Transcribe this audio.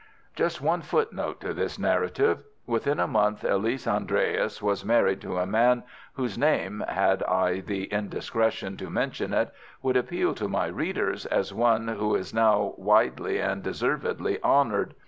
Just one footnote to this narrative. Within a month Elise Andreas was married to a man whose name, had I the indiscretion to mention it, would appeal to my readers as one who is now widely and deservedly honoured.